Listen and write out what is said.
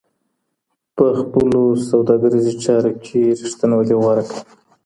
په خپلو سوداګريزو چارو کي رښتينولي غوره کړئ.